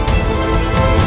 aku tidak mau